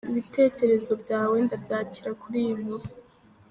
Ibitekerezo byawe ndabyakira kuri iyi nkuru.